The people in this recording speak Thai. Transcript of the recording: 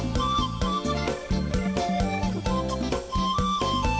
ขอบคุณทุกคน